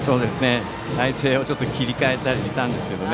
体勢を切り替えたりしてたんですけどね。